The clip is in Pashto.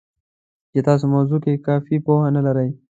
چې تاسې موضوع کې کافي پوهه نه لرئ